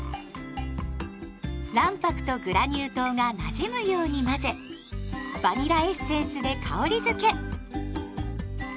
卵白とグラニュー糖がなじむように混ぜバニラエッセンスで香りづけ。